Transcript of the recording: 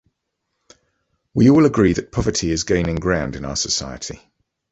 We all agree that poverty is gaining ground in our society.